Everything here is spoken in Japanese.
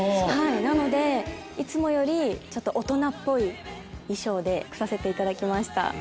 なのでいつもより大人っぽい衣装で来させていただきました。